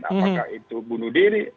apakah itu bunuh diri